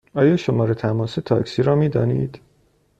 آیا شماره تماس تاکسی را می دانید؟